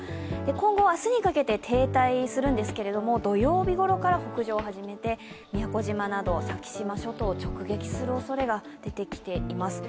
今後、明日にかけて停滞するんですけれども、土曜日ごろから北上を始めて宮古島など先島諸島を直撃するおそれが出てきています。